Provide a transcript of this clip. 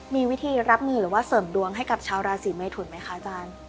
มีวิธีรับมือหรือว่าเสริมดวงให้กับชาวราศีเมทุนไหมคะอาจารย์